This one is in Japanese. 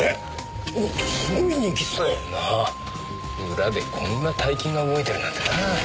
裏でこんな大金が動いてるなんてなぁ。